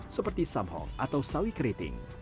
seperti samhong atau sawi keriting